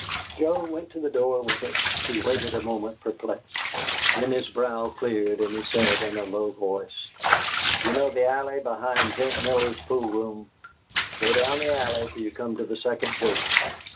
Joe went to the door with her. He waited a moment, perplexed, then his brow cleared and he said in a low voice: "You know the alley beyond Vent Miller's pool room? Go down the alley till you come to the second gate.